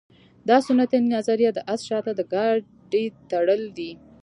دا سنتي نظریه د اس شاته د ګاډۍ تړل دي